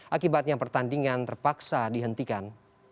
akibatnya pertandingan terpaksa dihentikan